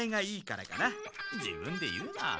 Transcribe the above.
自分で言うな。